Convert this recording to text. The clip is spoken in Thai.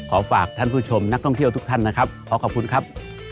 ขอฝากท่านผู้ชมนักท่องเที่ยวทุกท่านนะครับขอขอบคุณครับ